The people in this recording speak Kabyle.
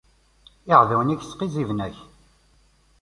Iɛdawen-ik sqizziben-ak.